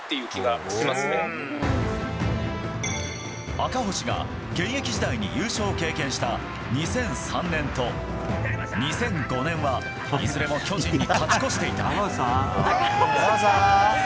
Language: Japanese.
赤星が現役時代に優勝を経験した２００３年と２００５年はいずれも巨人に勝ち越していた。